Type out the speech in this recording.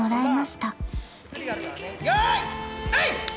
よーいはい！